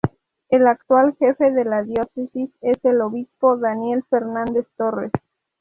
El actual jefe de la Diócesis es el Obispo Daniel Fernández Torres.